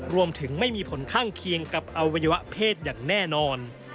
รวมถึงไม่มีผลข้างเคียงกับอวัยวะเพศอย่างแน่นอน